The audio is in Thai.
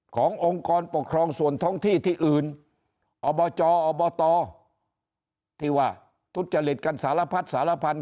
องค์กรปกครองส่วนท้องที่ที่อื่นอบจอบตที่ว่าทุจริตกันสารพัดสารพันธ